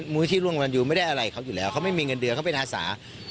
มูลที่ร่วมรันยูไม่ได้อะไรเขาอยู่แล้วเขาไม่มีเงินเดือนเขาเป็นอาสา